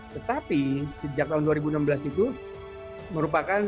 tetapi sejak tahun dua ribu enam belas itu merupakan